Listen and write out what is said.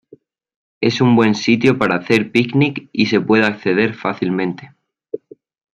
Es un buen sitio para hacer picnic y se puede acceder fácilmente.